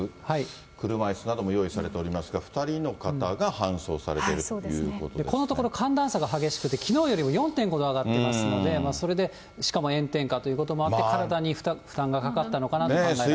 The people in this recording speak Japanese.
車いすなども用意されておりますが、２人の方が搬送されているとこのところ寒暖差が激しくて、きのうよりも４．５度上がってますので、それでしかも炎天下ということもあって、体に負担がかかったのかなと思われます。